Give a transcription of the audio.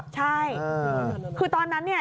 ใช่คือตอนนั้นเนี่ย